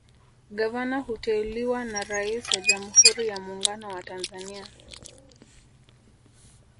Gavana huteuliwa na Rais wa Jamhuri ya Mungano wa Tanzania